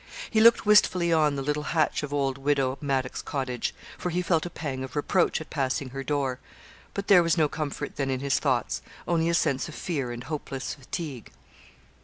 He looked wistfully on the little hatch of old Widow Maddock's cottage; for he felt a pang of reproach at passing her door; but there was no comfort then in his thoughts, only a sense of fear and hopeless fatigue.